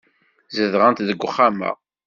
Zedɣent deg uxxam-a.